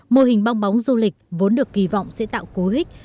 mô hình bong bóng du lịch vốn được kỳ vọng sẽ tạo cú ích